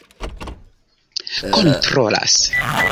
kontrolas